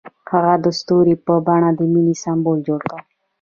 هغه د ستوري په بڼه د مینې سمبول جوړ کړ.